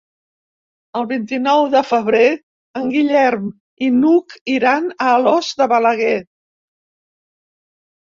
El vint-i-nou de febrer en Guillem i n'Hug iran a Alòs de Balaguer.